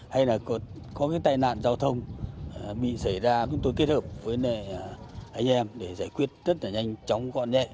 hay là có cái tai nạn giao thông bị xảy ra chúng tôi kết hợp với anh em để giải quyết rất là nhanh chóng gọn nhẹ